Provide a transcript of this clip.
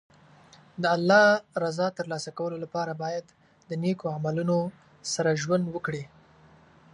د الله رضا ترلاسه کولو لپاره باید د نېک عملونو سره ژوند وکړي.